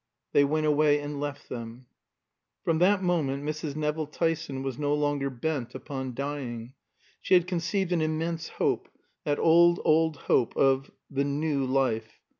They went away and left them. From that moment Mrs. Nevill Tyson was no longer bent upon dying. She had conceived an immense hope that old, old hope of the New Life.